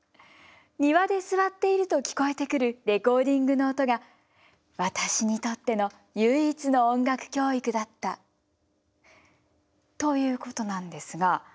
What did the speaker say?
庭で座っていると聞こえてくるレコーディングの音が私にとっての唯一の音楽教育だった」。ということなんですが。